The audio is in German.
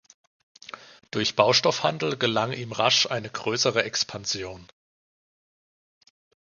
Durch Baustoffhandel gelang ihm rasch eine größere Expansion.